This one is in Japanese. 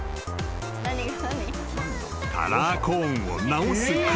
［カラーコーンを直す熊］